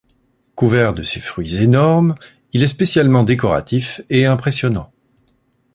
Couvert de ses fruits énormes il est spécialement décoratif et impressionnant.